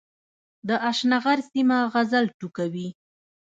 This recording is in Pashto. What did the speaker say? د اشنغر سيمه غزل ټوکوي